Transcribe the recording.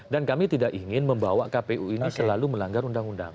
dan kami tidak ingin membawa kpu ini selalu melanggar undang undang